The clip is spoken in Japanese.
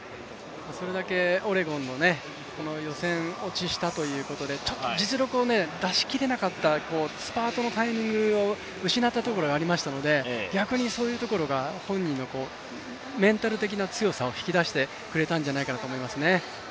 それだけオレゴンの予選落ちしたということでちょっと実力を出し切れなかった、スパートのタイミングを失ったところがありましたので逆にそういうところが本人のメンタル的な強さを引き出してくれたんじゃないかと思います。